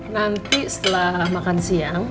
nanti setelah makan siang